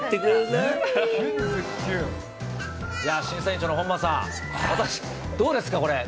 いやー、審査委員長の本間さん、どうですか、これ。